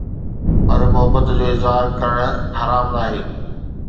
پر محبت جو اظهار ڪرڻ حرام ناهي